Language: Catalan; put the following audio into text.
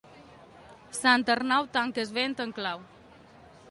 Sant Arnau tanca el vent amb clau.